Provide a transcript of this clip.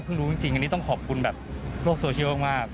รู้จริงอันนี้ต้องขอบคุณแบบโลกโซเชียลมาก